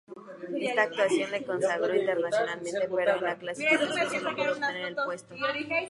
Esta actuación le consagró internacionalmente pero en la clasificación solo pudo obtener el puesto.